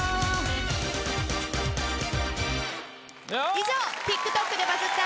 以上「ＴｉｋＴｏｋでバズった！